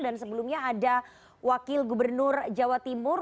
dan sebelumnya ada wakil gubernur jawa timur